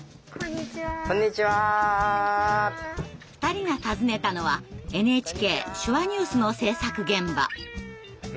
２人が訪ねたのは「ＮＨＫ手話ニュース」の制作現場。